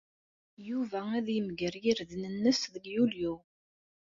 Yuba ad yemger irden-nnes deg Yulyu.